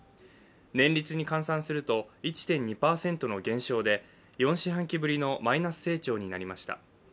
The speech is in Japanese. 年率に換算すると、１．２％の減少で４四半期ぶりのマイナス成長になりました。